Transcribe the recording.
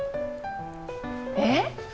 えっ？